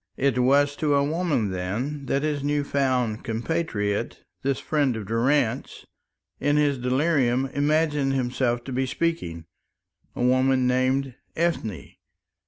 It was to a woman, then, that his new found compatriot, this friend of Durrance, in his delirium imagined himself to be speaking a woman named Ethne.